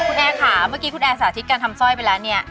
คุณแอร์ค่ะเมื่อกี้คุณแอร์สาธิตการทำสร้อยไปแล้วเนี่ย